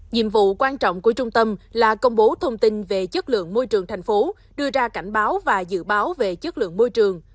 nhiệm vụ quan trọng của trung tâm là công bố thông tin về chất lượng môi trường thành phố đưa ra cảnh báo và dự báo về chất lượng môi trường